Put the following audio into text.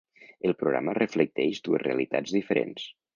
El programa reflecteix dues realitats diferents.